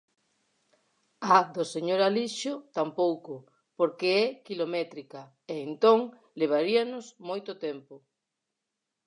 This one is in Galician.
A do señor Alixo tampouco, porque é quilométrica e entón levaríanos moito tempo.